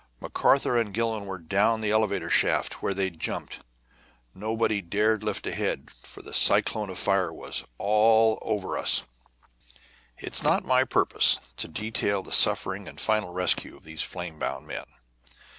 McArthur and Gillon were down the elevator shaft, where they'd jumped. Nobody dared lift a head, for a cyclone of fire was all over us." It is not my purpose to detail the sufferings and final rescue of these flame bound men.